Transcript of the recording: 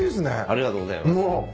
ありがとうございます。